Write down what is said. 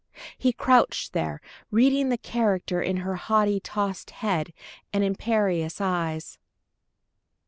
He crouched there, reading the character in her haughtily tossed head and imperious eyes.